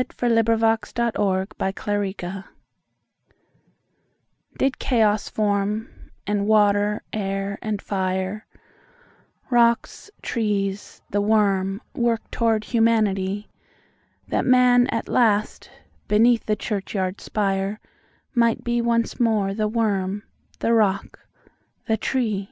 1900. By John HallIngham 1378 Genesis DID Chaos form,—and water, air, and fire, Rocks, trees, the worm, work toward Humanity,—That Man at last, beneath the churchyard spire, Might be once more the worm, the rock, the tree?